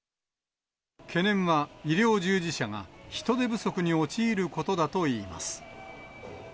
懸念は医療従事者が、人手不足に陥ることだといいます。